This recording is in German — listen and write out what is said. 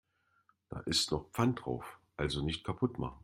Da ist noch Pfand drauf, also nicht kaputt machen.